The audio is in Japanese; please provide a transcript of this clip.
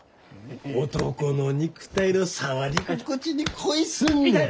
男の肉体の触り心地に恋すんねん！